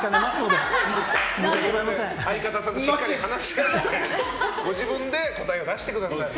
相方さんとしっかり話し合ってご自分で答えを出してくださいね。